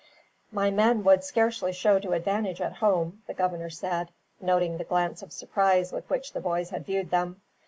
"My men would scarcely show to advantage at home," the governor said, noting the glance of surprise with which the boys had viewed them.